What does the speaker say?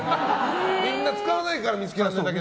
みんな使わないから見つけられないだけで。